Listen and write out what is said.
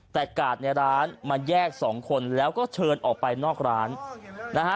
แต่กาดในร้านมาแยกสองคนแล้วก็เชิญออกไปนอกร้านนะฮะ